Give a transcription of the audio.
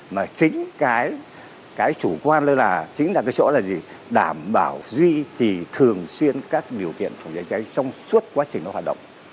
mà chính cái chủ quan là đảm bảo duy trì thường xuyên các điều kiện phòng cháy chữa cháy trong suốt quá trình hoạt động